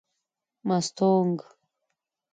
مستونگ